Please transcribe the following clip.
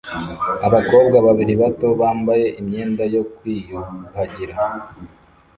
Abakobwa babiri bato bambaye imyenda yo kwiyuhagira